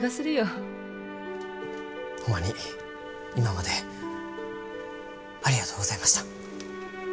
ホンマに今までありがとうございました。